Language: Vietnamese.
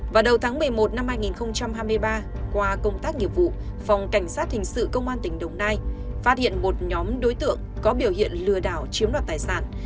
vào đầu tháng một mươi một năm hai nghìn hai mươi ba qua công tác nghiệp vụ phòng cảnh sát hình sự công an tỉnh đồng nai phát hiện một nhóm đối tượng có biểu hiện lừa đảo chiếm đoạt tài sản